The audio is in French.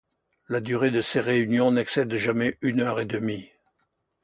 La durée de ses réunions n'excède jamais une heure et demie.